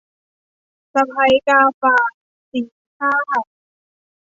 สะใภ้กาฝาก - สีชาติ